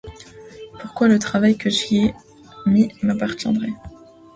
Pourquoi le travail que j’y ai mis m’appartiendrait ?